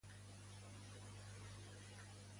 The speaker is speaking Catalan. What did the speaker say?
Com concebia l'art, ja des de jove?